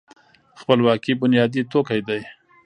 خپلواکي بنیادي توکی دی.